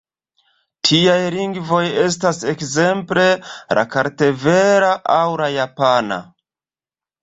Tiaj lingvoj estas ekzemple la kartvela aŭ la japana.